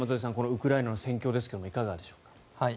ウクライナの戦況ですがいかがでしょうか。